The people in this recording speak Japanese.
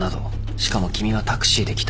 しかも君はタクシーで来た。